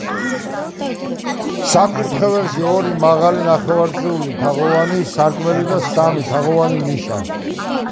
საკურთხეველში ორი, მაღალი, ნახევარწრიულ თაღოვანი სარკმელი და სამი, თაღოვანი ნიშაა.